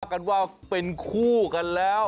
กันว่าเป็นคู่กันแล้ว